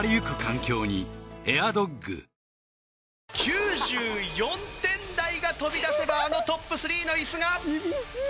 ９４点台が飛び出せばあのトップ３の椅子が！